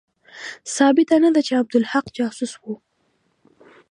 ثابته نه ده چې عبدالحق جاسوس وو.